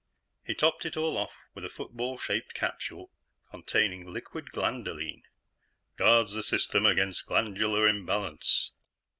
He topped it all off with a football shaped capsule containing Liquid Glandolene "_Guards the system against glandular imbalance!